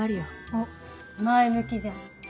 おっ前向きじゃん。